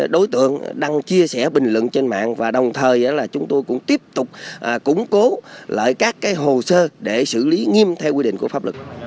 đối tượng đăng chia sẻ bình luận trên mạng và đồng thời chúng tôi cũng tiếp tục củng cố lại các hồ sơ để xử lý nghiêm theo quy định của pháp luật